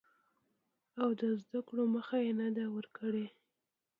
او د زده کړو مخه يې نه ده ورکړې.